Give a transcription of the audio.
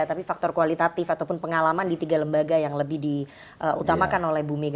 tapi faktor kualitatif ataupun pengalaman di tiga lembaga yang lebih diutamakan oleh bu mega